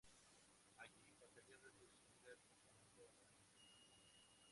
Allí pasaría el resto de su vida consagrado a la enseñanza.